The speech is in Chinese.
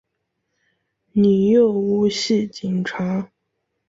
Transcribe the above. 你又唔系警察！